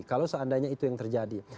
kalau seandainya itu yang terjadi